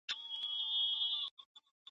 چي ملا شکرانه واخلي تأثیر ولاړ سي !.